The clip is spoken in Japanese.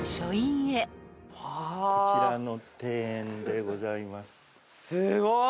こちらの庭園でございます。